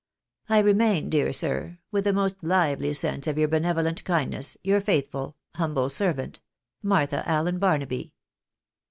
I remain, dear sir, with the most lively sense of your benevolent kindness, your faithful, " Humble servant, "Martha Allen Barnaby."